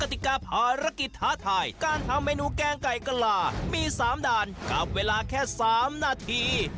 ติกาภารกิจท้าทายการทำเมนูแกงไก่กะลามี๓ด่านกับเวลาแค่๓นาที